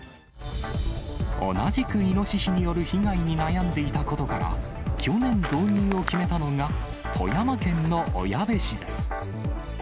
同じくイノシシによる被害に悩んでいたことから、去年導入を決めたのが、富山県の小矢部市です。